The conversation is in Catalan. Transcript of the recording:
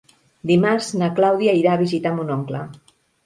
Dimarts na Clàudia irà a visitar mon oncle.